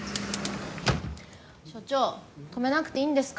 所長止めなくていいんですか？